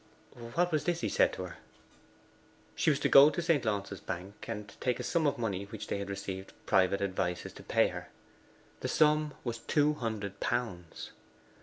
What was this he said to her? She was to go to the St. Launce's Bank and take a sum of money which they had received private advices to pay her. The sum was two hundred pounds.